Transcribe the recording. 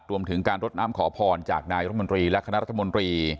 รวมถึงการรดน้ำขอพรจากนายรมนตรีและคณะรัฐมนตรี